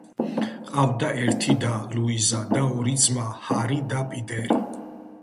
ჰყავდა ერთი და, ლუიზა და ორი ძმა, ჰარი და პიტერი.